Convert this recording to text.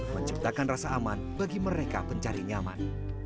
menciptakan rasa aman bagi mereka pencari nyaman